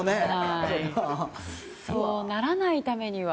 そうならないためには。